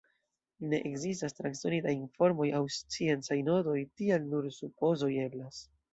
Ne ekzistas transdonitaj informoj aŭ sciencaj notoj, tial nur supozoj eblas.